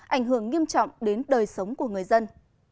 ảnh hưởng nghiêm trọng đến đời sống của người dân